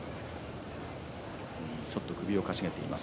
ちょっと首をかしげています。